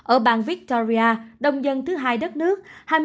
ở bang victoria đông dân thứ hai đất nước